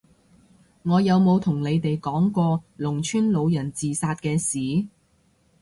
我有冇同你哋講過農村老人自殺嘅事？